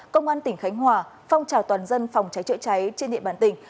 công an tỉnh khánh hòa phong trào toàn dân phòng cháy chữa cháy trên địa bàn tỉnh